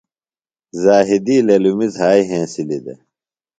ذاہدی للمیۡ زھائی ہنسِلیۡ دےۡ۔